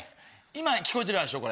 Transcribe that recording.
今聞こえてるでしょ？